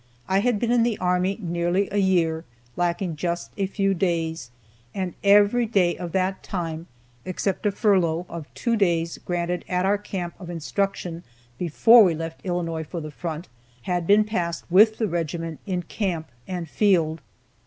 I had been in the army nearly a year, lacking just a few days, and every day of that time, except a furlough of two days granted at our camp of instruction before we left Illinois for the front, had been passed with the regiment in camp and field.